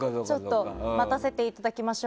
待たせていただきましょう。